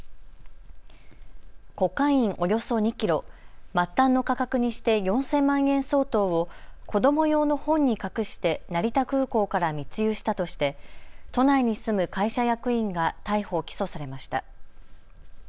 コカインおよそ２キロ、末端の価格にして４０００万円相当を子ども用の本に隠して成田空港から密輸したとして都内に住む会社役員が逮捕・起訴されました。